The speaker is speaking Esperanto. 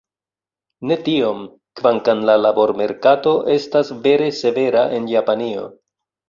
Ne tiom, kvankam la labormerkato estas vere severa en Japanio.